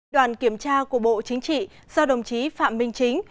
đoàn kiểm tra của bộ chính trị do đồng chí phạm minh chính